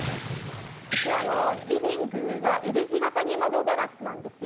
うち、リビングがＬ字形に窓ガラスなんですよ。